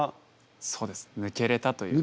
そうです抜けれたというか。